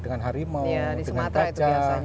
dengan harimau dengan kajah